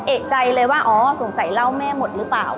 เอกใจเลยว่าอ๋อสงสัยเล่าแม่หมดหรือเปล่า